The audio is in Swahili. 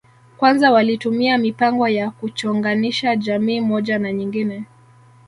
Kwanza walitumia mipango ya kuchonganisha jamii moja na nyingine